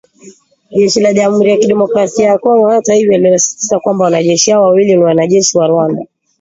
Jeshi la Jamuhuri ya Kidemokrasia ya Kongo hata hivyo linasisitiza kwamba “wanajeshi hao wawili ni wanajeshi wa Rwanda